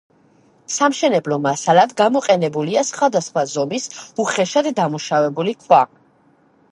სამშენებლო მასალად გამოყენებულია სხვადასხვა ზომის უხეშად დამუშავებული ქვა.